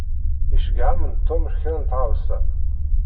Iceyyeɛ-am-n Tom kra n tɣawsa.